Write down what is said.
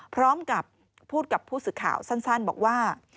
พร้อมกับพูดกับผู้สื่อข่าวสั้นบอกว่า